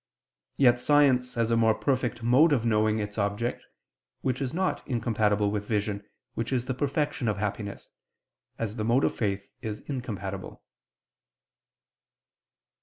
Yet science has a more perfect mode of knowing its object, which is not incompatible with vision which is the perfection of happiness, as the mode of faith is incompatible.